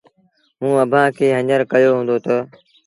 موٚنٚ اڀآنٚ کي هڃر ڪهيو هُݩدو تا